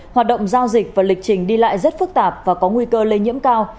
hoạt động giao dịch và lịch trình đi lại rất phức tạp và có nguy cơ lây nhiễm cao